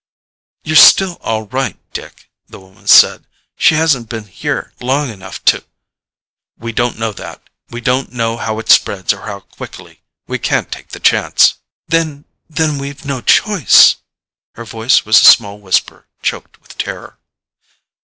"You're still all right, Dick," the woman said. "She hasn't been here long enough to " "We don't know that. We don't know how it spreads or how quickly. We can't take the chance." "Then ... then we've no choice?" Her voice was a small whisper, choked with terror.